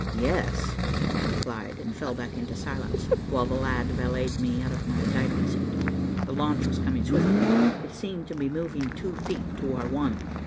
"Yes," I replied, and fell back into silence, while the lad valeted me out of my diving suit. The launch was coming swiftly. It seemed to be moving two feet to our one.